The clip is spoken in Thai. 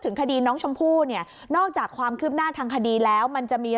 คดีน้องชมพู่เนี่ยนอกจากความคืบหน้าทางคดีแล้วมันจะมี